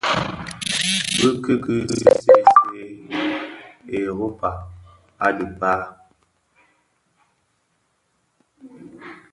Bi ki ki see see Europa, adhi kpaa,